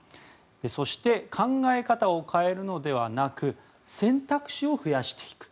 そして考え方を変えるのではなく選択肢を増やしていく。